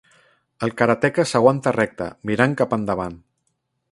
El karateka s'aguanta recte, mirant cap endavant.